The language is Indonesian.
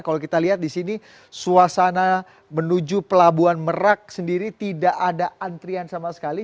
kalau kita lihat di sini suasana menuju pelabuhan merak sendiri tidak ada antrian sama sekali